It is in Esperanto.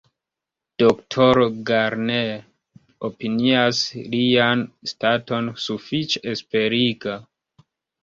Doktoro Garner opinias lian staton sufiĉe esperiga.